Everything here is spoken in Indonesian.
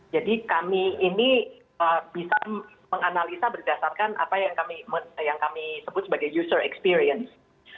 jadi kami ini bisa menganalisa berdasarkan apa yang kami sebut sebagai user experience